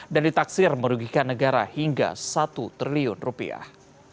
dan ditaksir merugikan negara hingga satu triliun rupiah